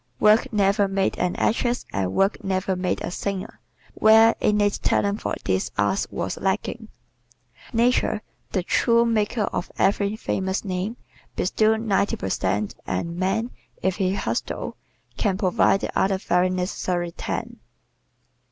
Work never made an actress and work never made a singer where innate talent for these arts was lacking. Nature, the true maker of every famous name, bestows ninety per cent and man, if he hustles, can provide the other very necessary ten.